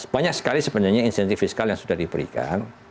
banyak sekali sebenarnya insentif fiskal yang sudah diberikan